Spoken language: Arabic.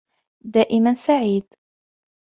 دائماً سعيد.